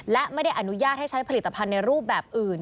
และไม่ได้อนุญาตให้ใช้ผลิตภัณฑ์ในรูปแบบอื่น